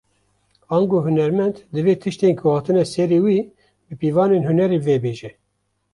Ango hunermend, divê tiştên ku hatine serî wî, bi pîvanên hunerê vebêje